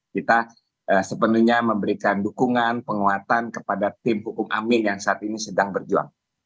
kita sepenuhnya memberikan dukungan penguatan kepada tim hukum amin yang saat ini sedang berjuang